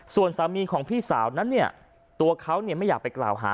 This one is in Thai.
ส่วนสามีของพี่สาวนั้นเนี่ยตัวเขาไม่อยากไปกล่าวหา